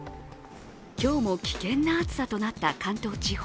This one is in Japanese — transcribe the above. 今日も危険な暑さとなった関東地方。